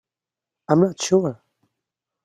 I am not sure.